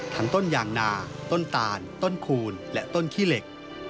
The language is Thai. ต้นยางนาต้นตาลต้นคูณและต้นขี้เหล็ก